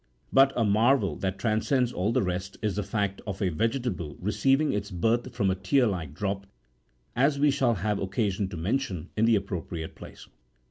But, a marvel that tran scends all the rest, is the fact of a vegetable receiving its birth from a tear like drop, as we shall have occasion to mention47 in the appropriate place.